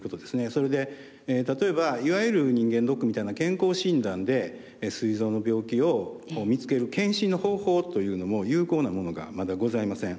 それで例えばいわゆる人間ドックみたいな健康診断ですい臓の病気を見つける検診の方法というのも有効なものがまだございません。